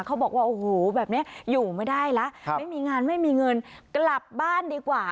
เขาบอกว่าโอ้โหแบบนี้อยู่ไม่ได้ละไม่มีงานไม่มีเงินกลับบ้านดีกว่า